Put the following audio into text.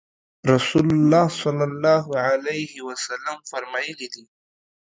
رسول الله صلی الله علیه وسلم فرمایلي دي